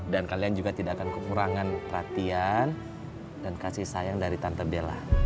dan kalian juga tidak akan kekurangan perhatian dan kasih sayang dari tante bella